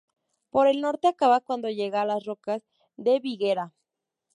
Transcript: Por el norte acaba cuando llega a las rocas de Viguera.